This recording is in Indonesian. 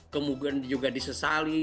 kemudian juga disesali